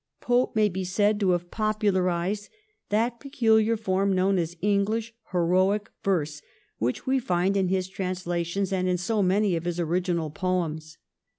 Pope may be said to have popularised that peculiar form known as English heroic verse which we find in his translations and in so many of his original poems.